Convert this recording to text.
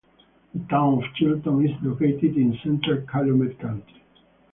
The Town of Chilton is located in central Calumet County.